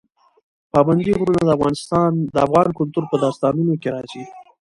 پابندی غرونه د افغان کلتور په داستانونو کې راځي.